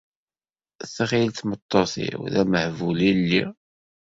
Tɣil tmeṭṭut-iw d amehbul i lliɣ.